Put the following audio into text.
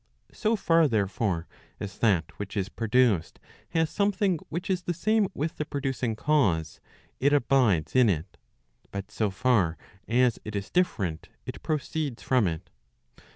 So far therefore, as that which is produced has something which is the same with the producing 1 cause, it abides in it; but so far as it is different, it proceeds from it.